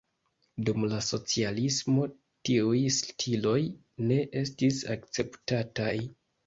Dum la socialismo tiuj stiloj ne estis akceptataj.